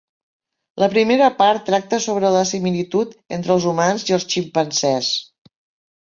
La primera part tracta sobre la similitud entre els humans i els ximpanzés.